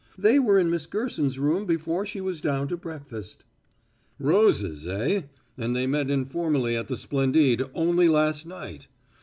"They were in Miss Gerson's room before she was down to breakfast." "Roses, eh? And they met informally at the Splendide only last night."